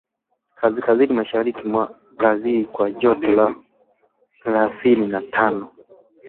kaskazini mashariki mwa Brazil kwa joto la thelathini na tano